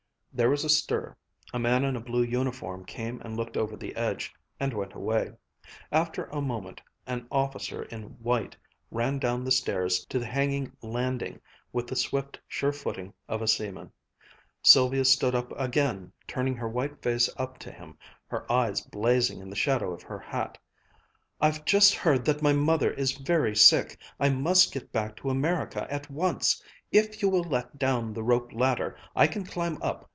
There was a stir; a man in a blue uniform came and looked over the edge, and went away. After a moment, an officer in white ran down the stairs to the hanging landing with the swift, sure footing of a seaman. Sylvia stood up again, turning her white face up to him, her eyes blazing in the shadow of her hat. "I've just heard that my mother is very sick, and I must get back to America at once. If you will let down the rope ladder, I can climb up.